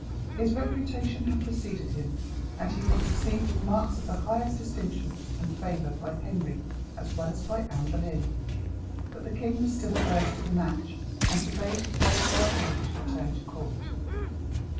His reputation had preceded him, and he was received with marks of the highest distinction and favour by Henry, as well as by Anne Boleyn. But the king was still averse to the match, and forbade the Fair Geraldine to return to court.